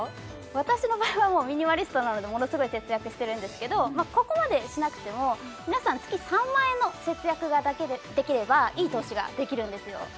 私の場合はもうミニマリストなのでものすごい節約してるんですけどここまでしなくても皆さん月３万円の節約ができればいい投資ができるんですよ